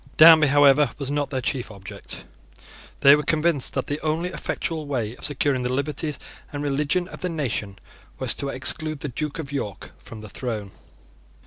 Danby, however, was not their chief object. They were convinced that the only effectual way of securing the liberties and religion of the nation was to exclude the Duke of York from the throne.